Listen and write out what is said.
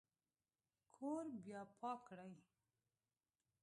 کور بیا پاک کړئ